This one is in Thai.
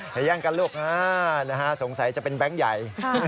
แย่งกันลูกสงสัยจะเป็นแบงค์ใหญ่